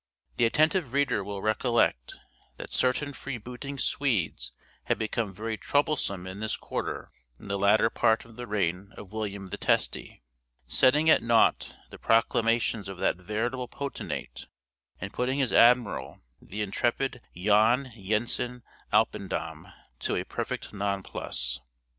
The attentive reader will recollect that certain freebooting Swedes had become very troublesome in this quarter in the latter part of the reign of William the Testy, setting at naught the proclamations of that veritable potentate, and putting his admiral, the intrepid Jan Jensen Alpendam, to a perfect nonplus.